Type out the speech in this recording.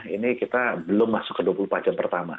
ini kita belum masuk ke dua puluh empat jam pertama